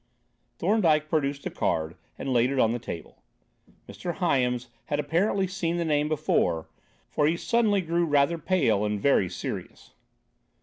Thorndyke produced a card and laid it on the table. Mr. Hyams had apparently seen the name before, for he suddenly grew rather pale and very serious.